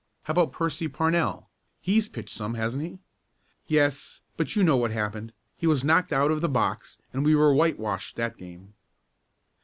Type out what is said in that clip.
"How about Percy Parnell? He's pitched some, hasn't he?" "Yes, but you know what happened. He was knocked out of the box and we were whitewashed that game."